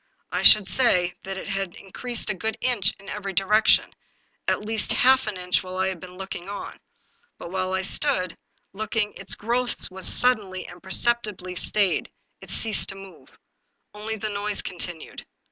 I should say that it had increased a good inch in every direction, at least half an inch while I had been looking on. But while I stood looking its growth was suddenly and perceptibly stayed; it ceased to move. Only the noise continued.